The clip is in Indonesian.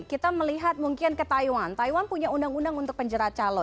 kita melihat mungkin ke taiwan taiwan punya undang undang untuk penjerat calo